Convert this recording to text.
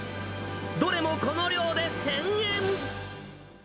どれもこの量で１０００円。